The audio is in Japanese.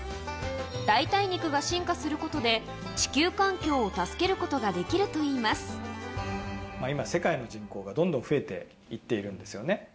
代替肉が進化することで、地球環境を助けることができるといいま今、世界の人口がどんどん増えていっているんですよね。